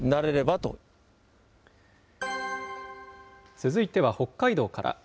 続いては、北海道から。